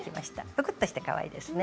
ぷくっとしてかわいいですね。